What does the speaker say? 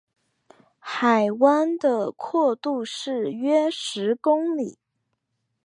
海湾的阔度是约十公里。